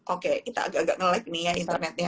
oke kita agak agak ngelik nih ya internetnya